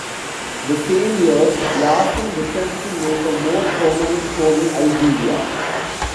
The same year Yacine returned to make a more permanent home in Algeria.